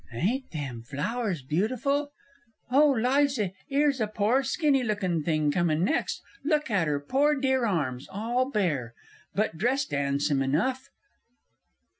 _ Ain't them flowers beautiful? Oh, Liza, 'ere's a pore skinny lookin' thing coming next look at 'er pore dear arms, all bare! But dressed 'andsome enough